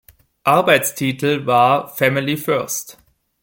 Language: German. Arbeitstitel war „Family First“.